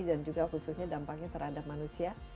dan juga khususnya dampaknya terhadap manusia